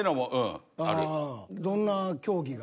どんな競技が？